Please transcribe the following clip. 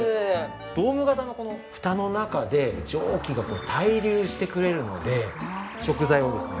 ドーム型のこのふたの中で蒸気が対流してくれるので食材をですね